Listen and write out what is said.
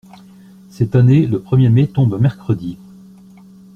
Cette année, le premier mai tombe un mercredi.